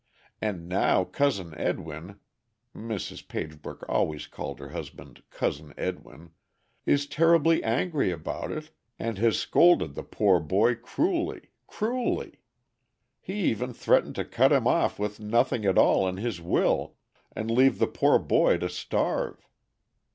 And now Cousin Edwin (Mrs. Pagebrook always called her husband Cousin Edwin) is terribly angry about it and has scolded the poor boy cruelly, cruelly. He even threatened to cut him off with nothing at all in his will, and leave the poor boy to starve.